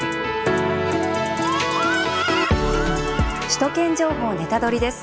「首都圏情報ネタドリ！」です。